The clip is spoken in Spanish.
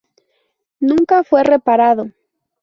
Nunca fue reparado.